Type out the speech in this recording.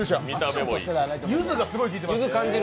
ゆずがすごい効いてます。